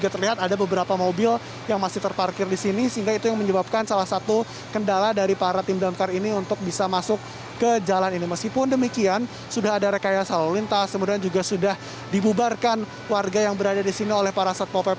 ya ferry kalau kita melihat apa yang menjadi kendala dari para tim damkar ini untuk memadamkan api